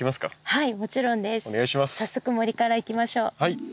はい。